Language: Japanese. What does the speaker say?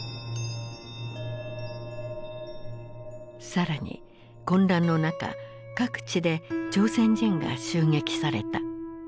更に混乱の中各地で朝鮮人が襲撃された。